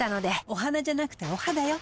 お花じゃなくてお肌よ。